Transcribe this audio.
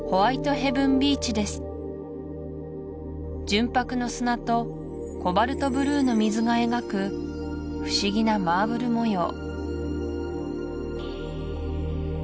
純白の砂とコバルトブルーの水が描く不思議なマーブル模様